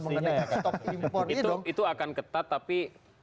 mengenai stock import itu akan ketat tapi